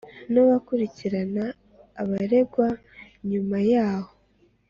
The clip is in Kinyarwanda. no bakurikirana abaregwa nyuma yaho.